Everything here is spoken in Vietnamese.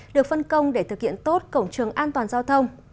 được phân công để thực hiện tốt cổng trường an toàn giao thông